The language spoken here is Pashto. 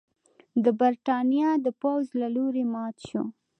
د برېټانیا د پوځ له لوري مات شو.